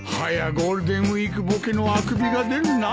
ゴールデンウィークぼけのあくびが出るな。